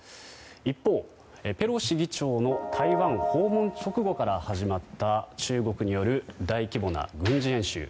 一方、ペロシ議長の台湾訪問直後から始まった中国による大規模な軍事演習。